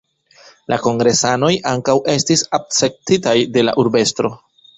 La kongresanoj ankaŭ estis akceptitaj de la urbestro.